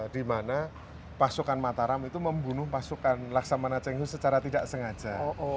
dimana pasukan mataram itu membunuh pasukan laksamana cenghus secara tidak sengaja